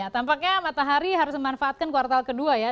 tampaknya matahari harus memanfaatkan kuartal ke dua ya